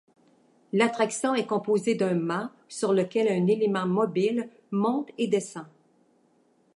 L'attraction est composée d'un mât sur lequel un élément mobile monte et descend.